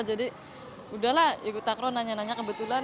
jadi udahlah ikut takraw nanya nanya kebetulan